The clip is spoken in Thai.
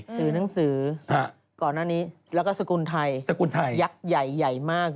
สื่อนังสือก่อนอันนี้แล้วก็สกุลไทยยักษ์ใหญ่มาก